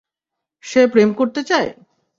সে প্রেম করতে চায়!